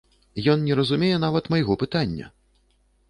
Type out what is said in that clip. Ён не разумее нават майго пытання!